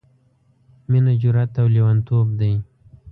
— مينه جرات او لېوانتوب دی...